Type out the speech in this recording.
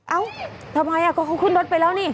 เอ้าทำไมก็เขาขึ้นรถไปแล้วนี่